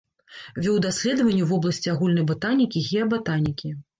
Вёў даследаванні ў вобласці агульнай батанікі, геабатанікі.